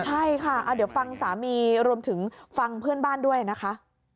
ใช่ค่ะเดี๋ยวฟังสามีรวมถึงฟังเพื่อนบ้านด้วยนะคะ